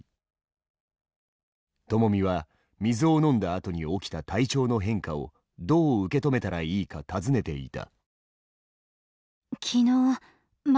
ともみは水を飲んだあとに起きた体調の変化をどう受け止めたらいいか尋ねていた。